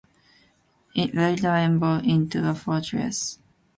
It later evolved into a fortress.